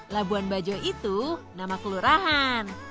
labuan bajo itu nama kelurahan